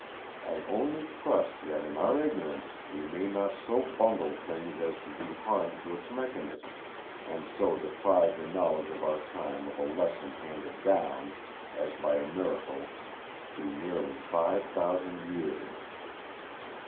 I only trust that in our ignorance we may not so bungle things as to do harm to its mechanism; and so deprive the knowledge of our time of a lesson handed down, as by a miracle, through nearly five thousand years.